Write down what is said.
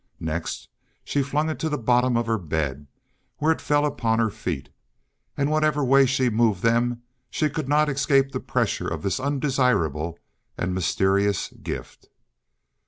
Next she flung it to the bottom of her bed, where it fell upon her feet, and whatever way she moved them she could not escape the pressure of this undesirable and mysterious gift.